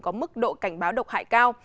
có mức độ cảnh báo độc hại cao